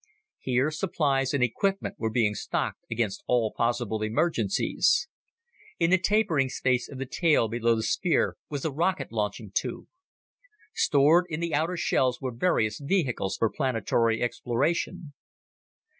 Here supplies and equipment were being stocked against all possible emergencies. In the tapering space of the tail below the sphere was a rocket launching tube. Stored in the outer shells were various vehicles for planetary exploration.